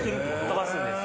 飛ばすんです。